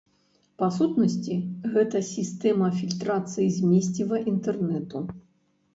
Па сутнасці, гэта сістэма фільтрацыі змесціва інтэрнэту.